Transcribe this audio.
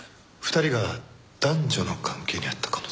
２人が男女の関係にあった可能性は？